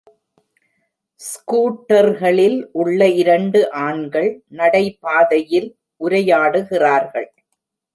ஸ்கூட்டர்களில் உள்ள இரண்டு ஆண்கள், நடைபாதையில் உரையாடுகிறார்கள்